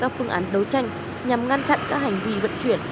các phương án đấu tranh nhằm ngăn chặn các hành vi vận chuyển